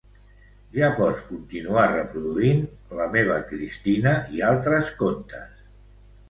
Ja pots continuar reproduint "La meva Cristina i altres contes".